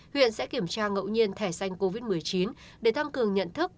huyện sẽ kiểm tra ngậu nhiên thẻ xanh covid một mươi chín để thăng cường nhận thức